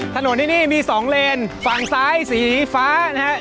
ถนนที่นี่มี๒เลนฝั่งซ้ายสีฟ้านะครับ